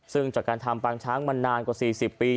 ซึ่งจากการทำปางช้างมานานกว่า๔๐ปี